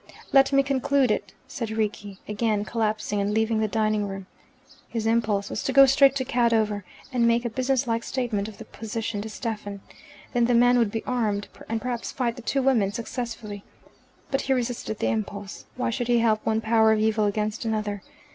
"Let me conclude it," said Rickie, again collapsing and leaving the dining room. His impulse was to go straight to Cadover and make a business like statement of the position to Stephen. Then the man would be armed, and perhaps fight the two women successfully, But he resisted the impulse. Why should he help one power of evil against another?